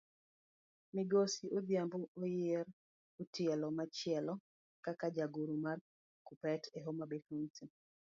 Migosi odhiambo oyier etielo machielo kaka jagoro mar kuppet e homabay county.